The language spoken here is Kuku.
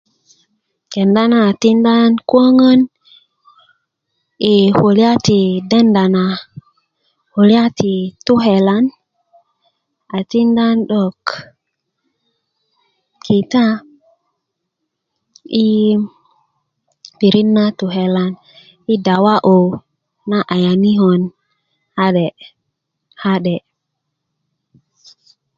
kenda na a tikinda nan koŋön i kulya ti denda na kulya ti tokelan a tinda an 'dok kita i pirit na tokelan i dawa'yu na ayaniko ka'de ka'de